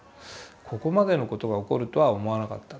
ここまでのことが起こるとは思わなかった。